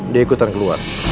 dia ikutan keluar